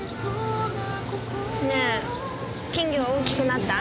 ねえ金魚は大きくなった？